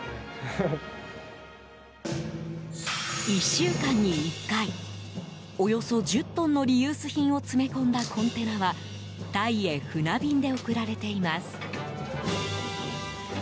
１週間に１回およそ１０トンのリユース品を詰め込んだコンテナはタイへ船便で送られています。